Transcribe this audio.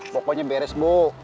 pokoknya beres bu